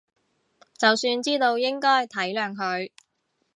就算知道應該體諒佢